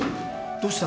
どうした？